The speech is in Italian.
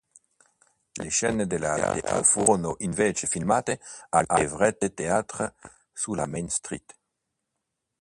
Le scene del teatro furono invece filmate all'Everett Theatre sulla Main Street.